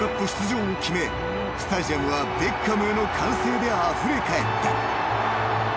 ［スタジアムはベッカムへの歓声であふれかえった］